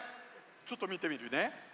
ちょっとみてみるね。